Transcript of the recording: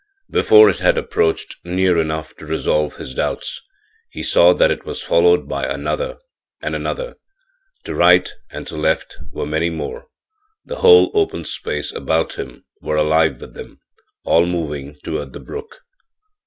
Before it had approached near enough to resolve his doubts he saw that it was followed by another and another. To right and to left were many more; the whole open space about him were alive with them all moving toward the brook.